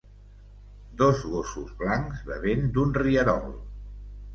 dos gossos blancs bevent d'un rierol